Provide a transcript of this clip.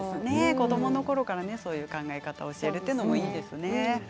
子どものころからそういう考え方を教えるというのはいいですね。